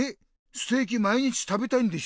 ステーキ毎日食べたいんでしょ？